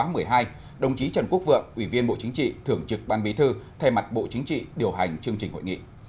hôm nay đồng chí trần quốc vượng ủy viên bộ chính trị thưởng trực ban bí thư thay mặt bộ chính trị điều hành chương trình hội nghị